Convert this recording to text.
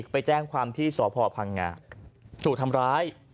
ไปแจ้งความที่สพพังงาถูกทำร้าย